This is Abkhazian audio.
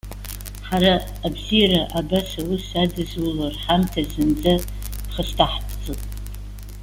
Ҳара абзиара, абас аус адызуло рҳамҭа зынӡа иԥхасҭаҳтәӡом.